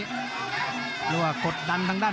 ภูตวรรณสิทธิ์บุญมีน้ำเงิน